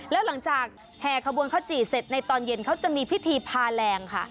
แล้วหลังจากแห่ขบวนข้าวจี่เสร็จในตอนเย็นเขาจะมีพิธีพาแรงค่ะ